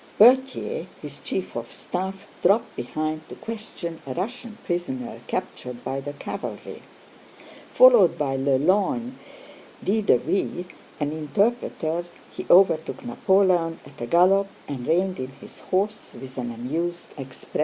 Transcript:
Berthier, his chief of staff, dropped behind to question a Russian prisoner captured by the cavalry. Followed by Lelorgne d'Ideville, an interpreter, he overtook Napoleon at a gallop and reined in his horse with an amused expression.